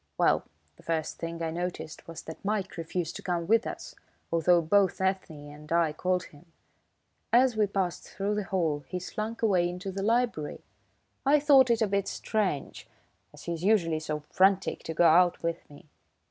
Well, the first thing I noticed was that Mike refused to come with us, although both Ethne and I called him. As we passed through the hall he slunk away into the library. I thought it a bit strange, as he's usually so frantic to go out with me.